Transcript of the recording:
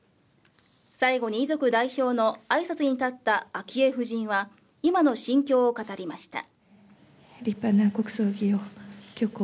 最後に遺族代表の挨拶に立った昭恵夫人は今の心境を語りました。